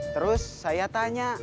terus saya tanya